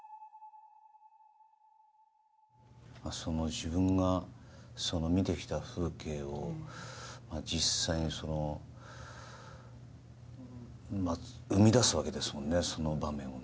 自分が見てきた風景を実際に生み出すわけですもんね。